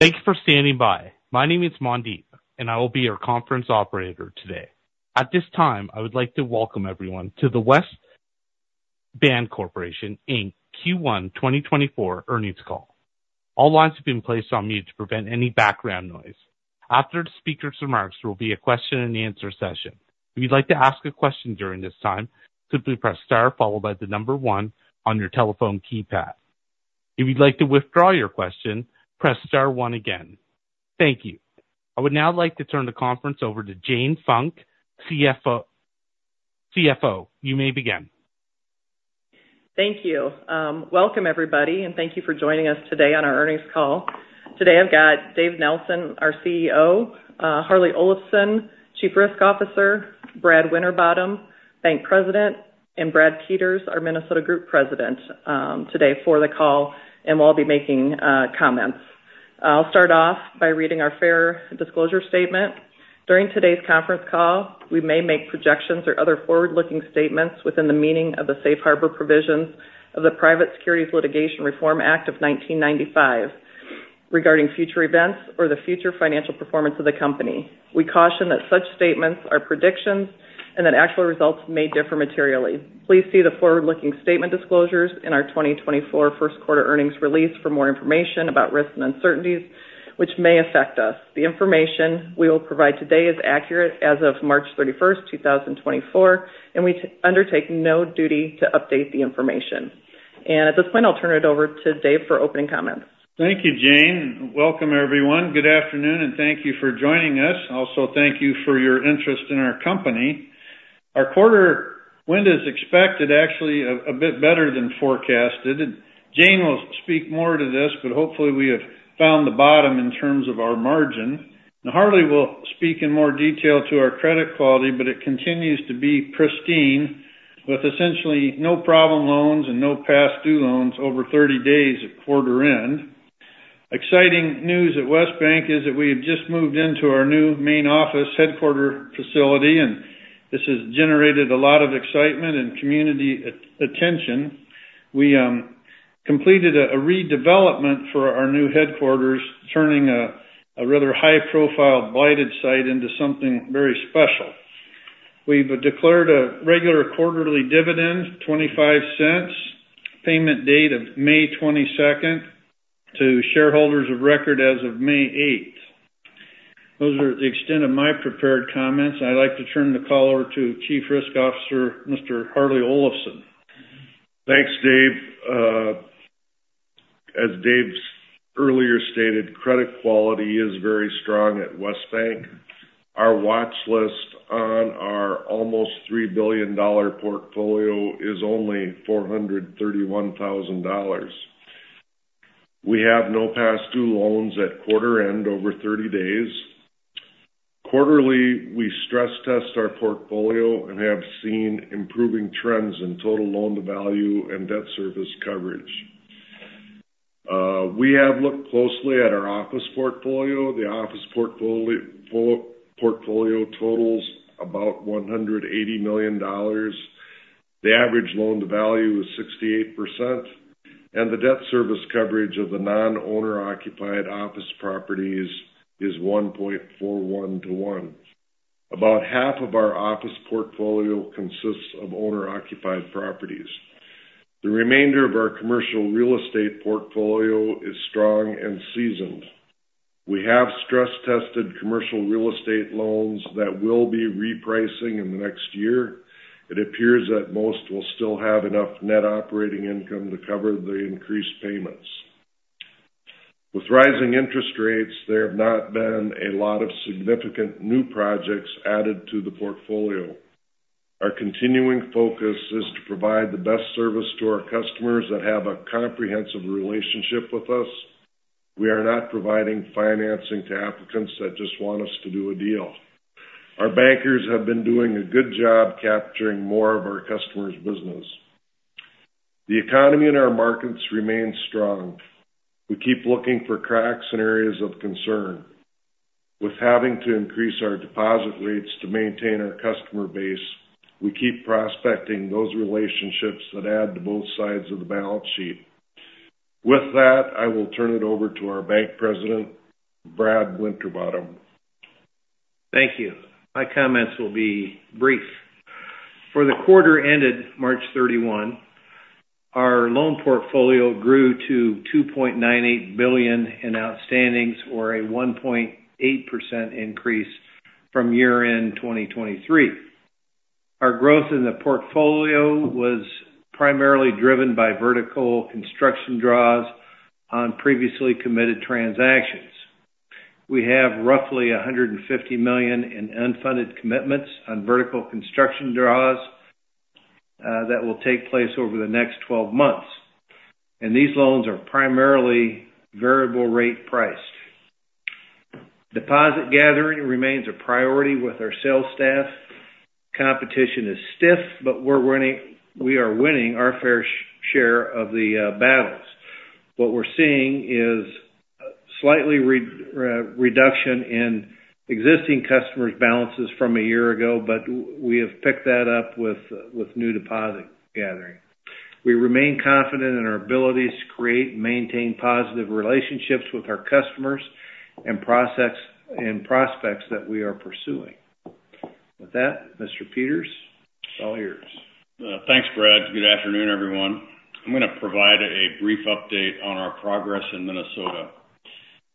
Thank you for standing by. My name is Mandeep, and I will be your conference operator today. At this time, I would like to welcome everyone to the West Bancorporation Inc. Q1 2024 earnings call. All lines have been placed on mute to prevent any background noise. After the speaker's remarks, there will be a question-and-answer session. If you'd like to ask a question during this time, simply press star followed by the number one on your telephone keypad. If you'd like to withdraw your question, press star one again. Thank you. I would now like to turn the conference over to Jane Funk, CFO. CFO, you may begin. Thank you. Welcome, everybody, and thank you for joining us today on our earnings call. Today I've got Dave Nelson, our CEO, Harlee Olafson, Chief Risk Officer, Brad Winterbottom, Bank President, and Brad Peters, our Minnesota Group President, today for the call and will all be making comments. I'll start off by reading our fair disclosure statement. During today's conference call, we may make projections or other forward-looking statements within the meaning of the safe harbor provisions of the Private Securities Litigation Reform Act of 1995 regarding future events or the future financial performance of the company. We caution that such statements are predictions and that actual results may differ materially. Please see the forward-looking statement disclosures in our 2024 first-quarter earnings release for more information about risks and uncertainties which may affect us. The information we will provide today is accurate as of March 31st, 2024, and we undertake no duty to update the information. At this point, I'll turn it over to Dave for opening comments. Thank you, Jane. Welcome, everyone. Good afternoon, and thank you for joining us. Also, thank you for your interest in our company. Our quarter wind is expected, actually, a bit better than forecasted. Jane will speak more to this, but hopefully we have found the bottom in terms of our margin. And Harlee will speak in more detail to our credit quality, but it continues to be pristine with essentially no problem loans and no past-due loans over 30 days at quarter end. Exciting news at West Bank is that we have just moved into our new main office headquarters facility, and this has generated a lot of excitement and community attention. We completed a redevelopment for our new headquarters, turning a rather high-profile blighted site into something very special. We've declared a regular quarterly dividend, $0.25, payment date of May 22nd to shareholders of record as of May 8th. Those are the extent of my prepared comments. I'd like to turn the call over to Chief Risk Officer, Mr. Harlee Olafson. Thanks, Dave. As Dave earlier stated, credit quality is very strong at West Bank. Our watch list on our almost $3 billion portfolio is only $431,000. We have no past-due loans at quarter end over 30 days. Quarterly, we stress-test our portfolio and have seen improving trends in total loan-to-value and debt service coverage. We have looked closely at our office portfolio. The office portfolio totals about $180 million. The average loan-to-value is 68%, and the debt service coverage of the non-owner-occupied office properties is 1.41 to 1. About half of our office portfolio consists of owner-occupied properties. The remainder of our commercial real estate portfolio is strong and seasoned. We have stress-tested commercial real estate loans that will be repricing in the next year. It appears that most will still have enough net operating income to cover the increased payments. With rising interest rates, there have not been a lot of significant new projects added to the portfolio. Our continuing focus is to provide the best service to our customers that have a comprehensive relationship with us. We are not providing financing to applicants that just want us to do a deal. Our bankers have been doing a good job capturing more of our customers' business. The economy in our markets remains strong. We keep looking for cracks in areas of concern. With having to increase our deposit rates to maintain our customer base, we keep prospecting those relationships that add to both sides of the balance sheet. With that, I will turn it over to our Bank President, Brad Winterbottom. Thank you. My comments will be brief. For the quarter ended March 31, our loan portfolio grew to $2.98 billion in outstandings, or a 1.8% increase from year-end 2023. Our growth in the portfolio was primarily driven by vertical construction draws on previously committed transactions. We have roughly $150 million in unfunded commitments on vertical construction draws that will take place over the next 12 months, and these loans are primarily variable-rate priced. Deposit gathering remains a priority with our sales staff. Competition is stiff, but we are winning our fair share of the battles. What we're seeing is a slight reduction in existing customers' balances from a year ago, but we have picked that up with new deposit gathering. We remain confident in our abilities to create and maintain positive relationships with our customers and prospects that we are pursuing. With that, Mr. Peters, it's all yours. Thanks, Brad. Good afternoon, everyone. I'm going to provide a brief update on our progress in Minnesota.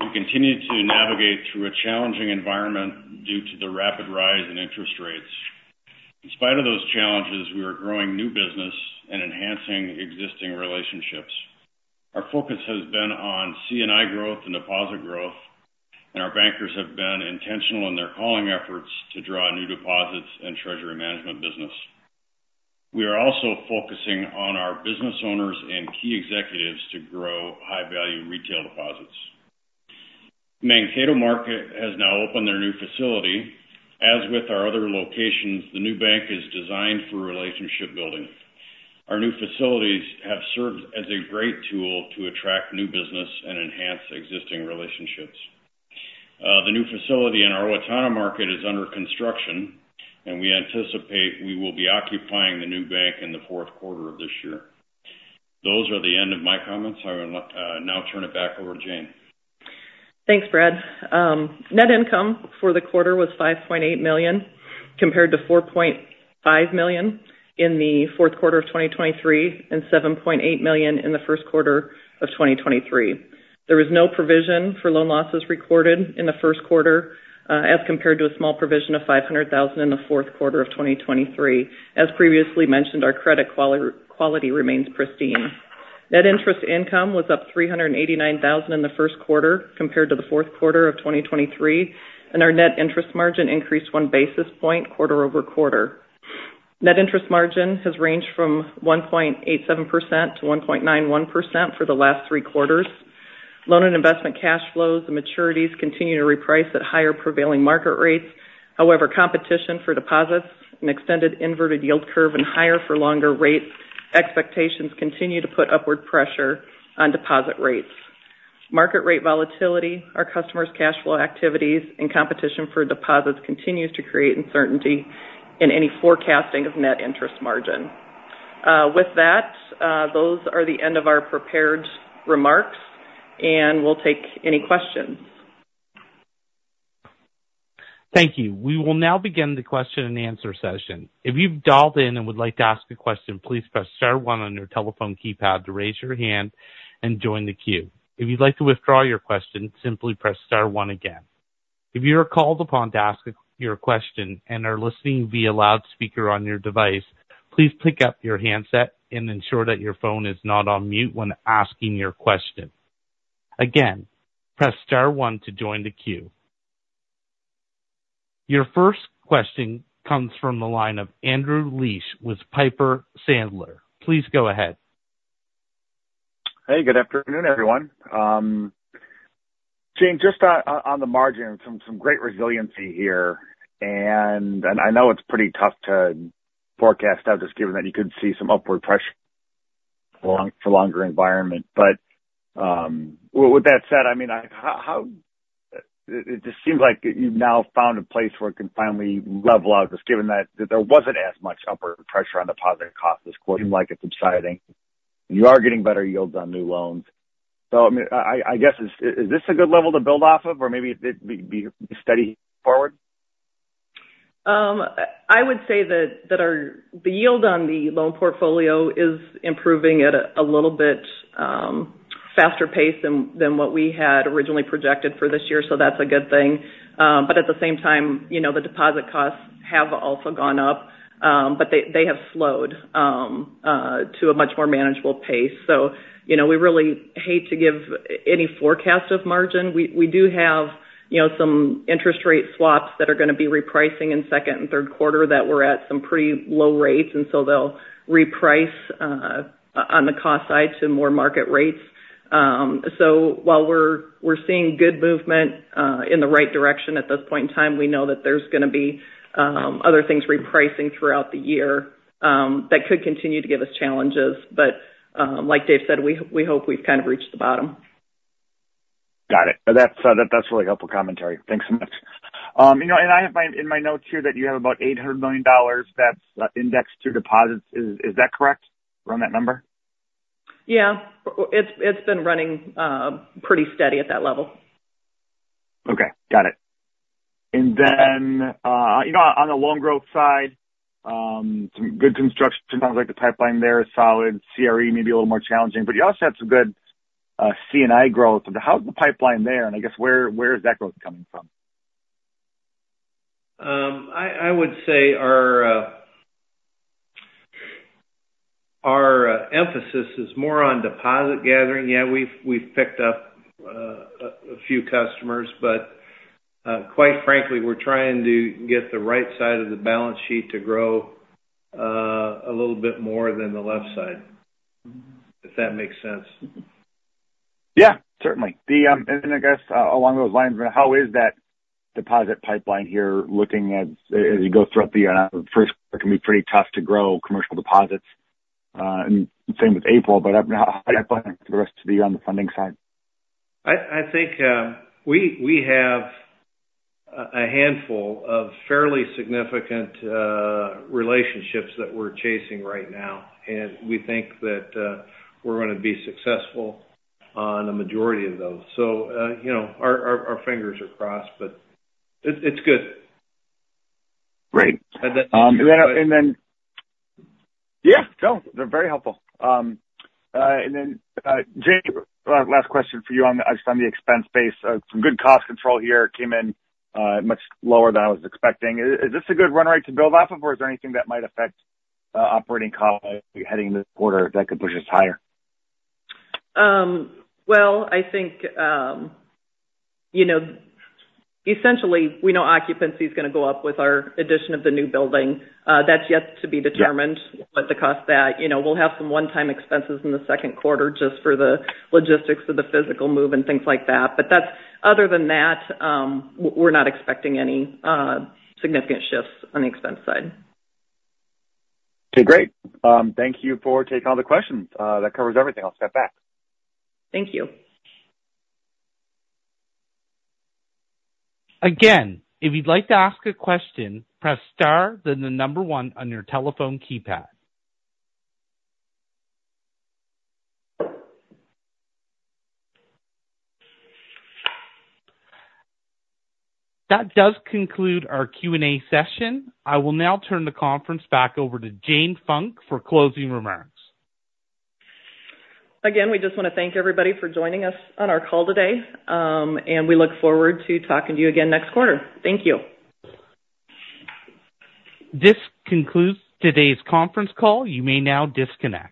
We continue to navigate through a challenging environment due to the rapid rise in interest rates. In spite of those challenges, we are growing new business and enhancing existing relationships. Our focus has been on C&I growth and deposit growth, and our bankers have been intentional in their calling efforts to draw new deposits and treasury management business. We are also focusing on our business owners and key executives to grow high-value retail deposits. Mankato market has now opened their new facility. As with our other locations, the new bank is designed for relationship building. Our new facilities have served as a great tool to attract new business and enhance existing relationships. The new facility in our Owatonna market is under construction, and we anticipate we will be occupying the new bank in the fourth quarter of this year. Those are the end of my comments. I will now turn it back over to Jane. Thanks, Brad. Net income for the quarter was $5.8 million compared to $4.5 million in the fourth quarter of 2023 and $7.8 million in the first quarter of 2023. There was no provision for loan losses recorded in the first quarter as compared to a small provision of $500,000 in the fourth quarter of 2023. As previously mentioned, our credit quality remains pristine. Net interest income was up $389,000 in the first quarter compared to the fourth quarter of 2023, and our net interest margin increased one basis point quarter over quarter. Net interest margin has ranged from 1.87% to 1.91% for the last three quarters. Loan and investment cash flows and maturities continue to reprice at higher prevailing market rates. However, competition for deposits, an extended inverted yield curve, and higher for longer rate expectations continue to put upward pressure on deposit rates. Market rate volatility, our customers' cash flow activities, and competition for deposits continue to create uncertainty in any forecasting of net interest margin. With that, those are the end of our prepared remarks, and we'll take any questions. Thank you. We will now begin the question-and-answer session. If you've dialed in and would like to ask a question, please press star one on your telephone keypad to raise your hand and join the queue. If you'd like to withdraw your question, simply press star one again. If you are called upon to ask your question and are listening via loudspeaker on your device, please pick up your handset and ensure that your phone is not on mute when asking your question. Again, press star one to join the queue. Your first question comes from the line of Andrew Liesch with Piper Sandler. Please go ahead. Hey, good afternoon, everyone. Jane, just on the margin, some great resiliency here, and I know it's pretty tough to forecast out just given that you could see some upward pressure for longer environment. But with that said, I mean, it just seems like you've now found a place where it can finally level out just given that there wasn't as much upward pressure on deposit costs this quarter. It seems like it's subsiding, and you are getting better yields on new loans. So I mean, I guess, is this a good level to build off of, or maybe it'd be steady forward? I would say that the yield on the loan portfolio is improving at a little bit faster pace than what we had originally projected for this year, so that's a good thing. But at the same time, the deposit costs have also gone up, but they have slowed to a much more manageable pace. So we really hate to give any forecast of margin. We do have some interest rate swaps that are going to be repricing in second and third quarter that were at some pretty low rates, and so they'll reprice on the cost side to more market rates. So while we're seeing good movement in the right direction at this point in time, we know that there's going to be other things repricing throughout the year that could continue to give us challenges. But like Dave said, we hope we've kind of reached the bottom. Got it. That's really helpful commentary. Thanks so much. I have in my notes here that you have about $800 million that's indexed through deposits. Is that correct? Run that number? Yeah. It's been running pretty steady at that level. Okay. Got it. And then on the loan growth side, some good construction. Sounds like the pipeline there is solid. CRE may be a little more challenging, but you also have some good C&I growth. How's the pipeline there? And I guess, where is that growth coming from? I would say our emphasis is more on deposit gathering. Yeah, we've picked up a few customers, but quite frankly, we're trying to get the right side of the balance sheet to grow a little bit more than the left side, if that makes sense. Yeah, certainly. Then I guess along those lines, how is that deposit pipeline here looking as you go throughout the year? I know the first quarter can be pretty tough to grow commercial deposits, and same with April. But how do you plan for the rest of the year on the funding side? I think we have a handful of fairly significant relationships that we're chasing right now, and we think that we're going to be successful on a majority of those. So our fingers are crossed, but it's good. Great. And then. Yeah. No, they're very helpful. And then Jane, last question for you just on the expense base. Some good cost control here came in much lower than I was expecting. Is this a good runway to build off of, or is there anything that might affect operating costs heading into the quarter that could push us higher? Well, I think essentially, we know occupancy is going to go up with our addition of the new building. That's yet to be determined, what the cost that we'll have some one-time expenses in the second quarter just for the logistics of the physical move and things like that. But other than that, we're not expecting any significant shifts on the expense side. Okay. Great. Thank you for taking all the questions. That covers everything. I'll step back. Thank you. Again, if you'd like to ask a question, press star, then the number one on your telephone keypad. That does conclude our Q&A session. I will now turn the conference back over to Jane Funk for closing remarks. Again, we just want to thank everybody for joining us on our call today, and we look forward to talking to you again next quarter. Thank you. This concludes today's conference call. You may now disconnect.